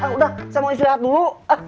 udah saya mau istirahat dulu